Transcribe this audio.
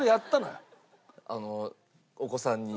あのお子さんに？